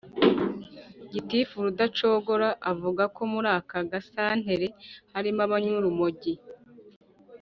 gitifu rudacogora avuga ko muri aka gasantere harimo abanywa urumogi